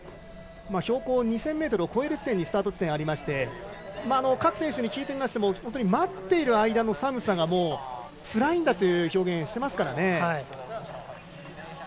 標高２０００ｍを越える地点にスタート地点がありまして各選手に聞いてみましても待っている間の寒さがもう、つらいんだという表現をしていますからね。